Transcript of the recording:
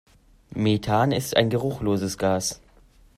Methan ist ein geruchloses Gas.